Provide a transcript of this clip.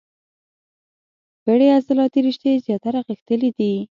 پېړې عضلاتي رشتې زیاتره غښتلي دي.